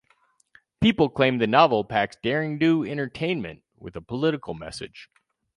People claimed the novel packs derring-do entertainment with a political message.